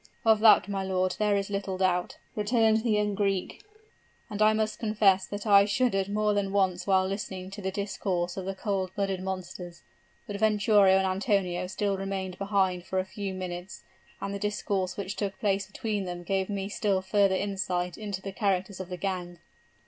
"Of that, my lord, there is little doubt," returned the young Greek; "and I must confess that I shuddered more than once while listening to the discourse of the cold blooded monsters. But Venturo and Antonio still remained behind for a few minutes, and the discourse which took place between them, gave me a still further insight into the characters of the gang.